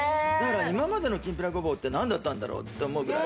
今までのきんぴらごぼうって何だったんだろう？って思うくらい。